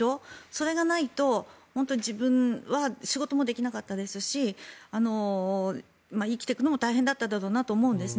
それがないと自分は仕事もできなかったですし生きていくのも大変だったろうなと思うんです。